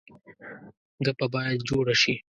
ګپه باید جوړه شي.